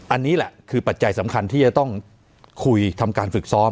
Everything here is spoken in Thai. อันนี้แหละคือปัจจัยสำคัญที่จะต้องคุยทำการฝึกซ้อม